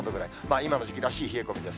今の時期らしい冷え込みです。